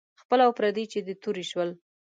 خپل او پردي چې د تورې شول.